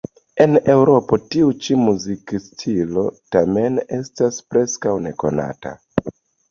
En Eŭropo tiu ĉi muzikstilo tamen estas preskaŭ nekonata.